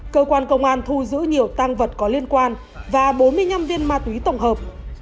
cơ quan công an thu giữ nhiều tăng vật có liên quan và bốn mươi năm viên ma túy tổng hợp